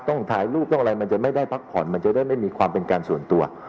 ถ่ายรูปต้องอะไรมันจะไม่ได้พักผ่อนมันจะได้ไม่มีความเป็นการส่วนตัว